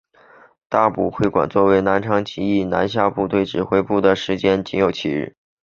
大埔会馆作为南昌起义南下部队指挥部的时间仅有七日。